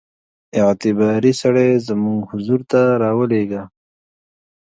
اعتباري سړی زموږ حضور ته را ولېږه.